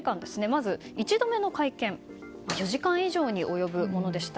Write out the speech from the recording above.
まず、１度目の会見４時間以上に及ぶものでした。